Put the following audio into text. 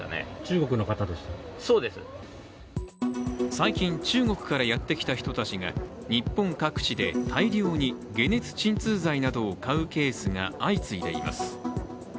最近、中国からやってきた人たちが日本各地で大量に解熱鎮痛剤などを買うケースが相次いでいます。